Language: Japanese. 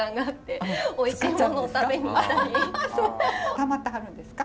たまってはるんですか？